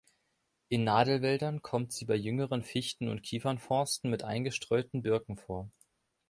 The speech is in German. In Nadelwäldern kommt sie bei jüngeren Fichten- und Kiefernforsten mit eingestreuten Birken vor.